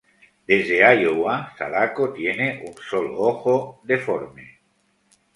Desde Iowa, Sadako tiene un solo ojo, deforme.